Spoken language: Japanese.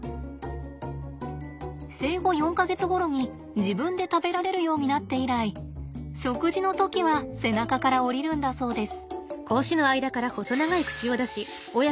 生後４か月ごろに自分で食べられるようになって以来食事の時は背中から降りるんだそうです。